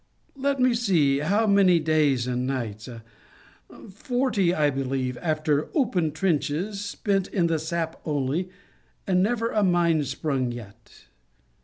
Let me see, how many days and nights? Forty, I believe, after open trenches, spent in the sap only, and never a mine sprung yet!